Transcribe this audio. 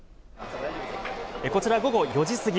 こちら、午後４時過ぎ。